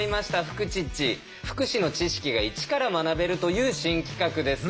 福祉の知識がイチから学べるという新企画です。